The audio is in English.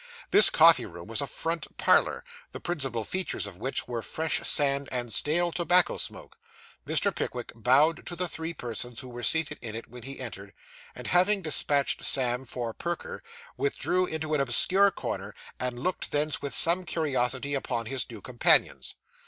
This coffee room was a front parlour, the principal features of which were fresh sand and stale tobacco smoke. Mr. Pickwick bowed to the three persons who were seated in it when he entered; and having despatched Sam for Perker, withdrew into an obscure corner, and looked thence with some curiosity upon his new companions.